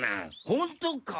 ホントか？